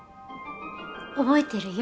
覚えてるよ。